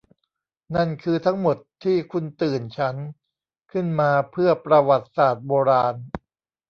นั่นคือทั้งหมดที่คุณตื่นฉันขึ้นมาเพื่อประวัติศาสตร์โบราณ ?